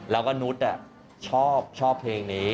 แล้วก็นุษย์ชอบเพลงนี้